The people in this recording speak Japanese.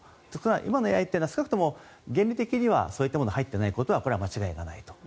今のＡＩは少なくとも原理的にはそういったものは入っていないのはこれは間違いないと。